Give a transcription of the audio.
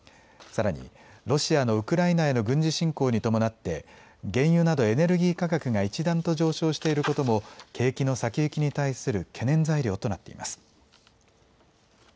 さらにロシアのウクライナへの軍事侵攻に伴って原油などエネルギー価格が一段と上昇していることも景気の先行きに対する懸念材料となっています。